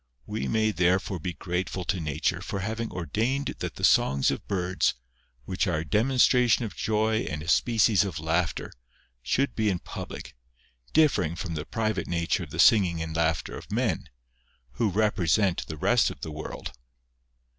We may therefore be grateful to Nature for having ordained that the songs of birds, which are a demonstration of joy and a species of laughter, should be in public, differing from the private nature of the singing and laughter of men, who represent the rest of the world.